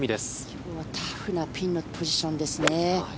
今日はタフなピンのポジションですね。